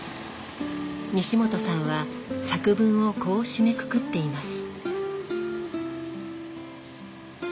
西本さんは作文をこう締めくくっています。